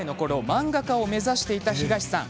漫画家を目指していた東さん。